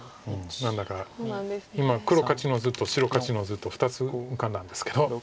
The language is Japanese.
何だか今黒勝ちの図と白勝ちの図と２つ浮かんだんですけど。